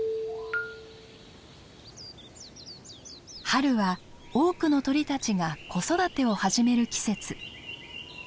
春は多くの鳥たちが子育てを始める季節。